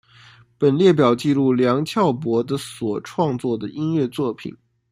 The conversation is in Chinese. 本列表记录梁翘柏的所创作的音乐作品